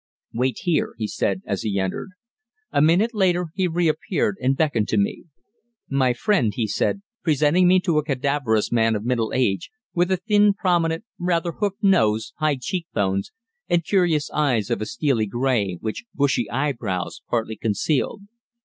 "Wait here," he said as he entered. A minute later he reappeared and beckoned to me. "My friend," he said, presenting me to a cadaverous man of middle age, with a thin, prominent, rather hooked nose, high cheek bones, and curious eyes of a steely grey, which bushy eye brows partly concealed.